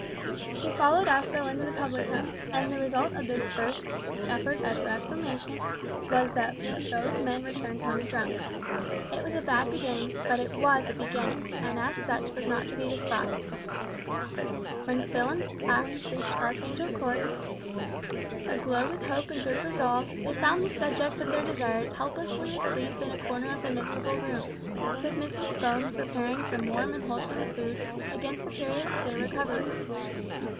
He followed Aspel into the public house, and the result of this first effort at reformation was that both men returned home drunk. It seemed a bad beginning, but it was a beginning, and as such was not to be despised. When Phil and Pax reached Archangel Court, a glow with hope and good resolves, they found the subjects of their desires helplessly asleep in a corner of the miserable room, with Mrs Bones preparing some warm and wholesome food against the period of their recovery.